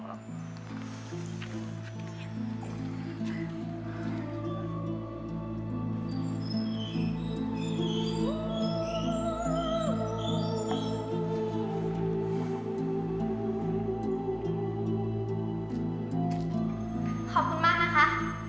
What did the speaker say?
ขอบคุณมากนะคะ